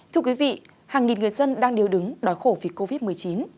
thưa quý vị hàng nghìn người dân đang điều đứng đòi khổ vì covid một mươi chín